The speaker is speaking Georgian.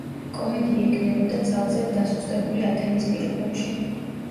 კომედია იქმნებოდა ძალზედ დასუსტებული ათენის პირობებში.